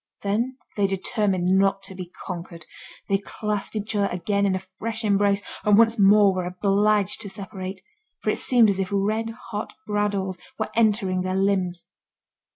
Then they determined not to be conquered. They clasped each other again in a fresh embrace, and once more were obliged to separate, for it seemed as if red hot bradawls were entering their limbs.